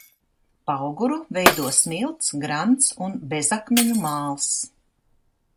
Pauguru veido smilts, grants un bezakmeņu māls.